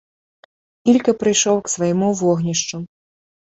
Ілька прыйшоў к свайму вогнішчу.